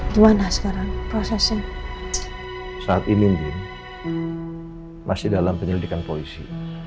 gimana sekarang prosesnya saat ini masih dalam penyelidikan polisi